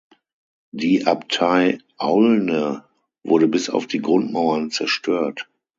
Die Abtei Aulne wurde bis auf die Grundmauern zerstört.